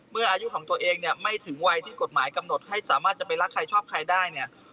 เมื่ออายุของตัวเองเนี่ยไม่ถึงวัยที่กฎหมายกำหนดให้สามารถจะไปรักใครชอบใครได้เนี่ย